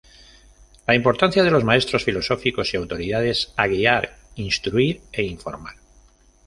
La importancia de los maestros filosóficos y Autoridades a guiar, instruir e informar.